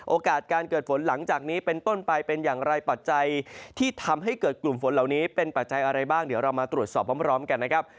โอกาสการเกิดฝนหลังจากนี้เป็นต้นไปเป็นอย่างไรปัจจัยที่ทำให้เกิดกลุ่มฝนเหล่านี้เป็นปัจจัยอะไรบ้างเดี๋ยวเรามาตรวจสอบพร้อมกันนะครับ